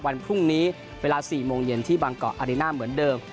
วันพรุ่งนี้เวลา๔โมงเย็นที่บางเกาะอาริน่าเหมือนเดิม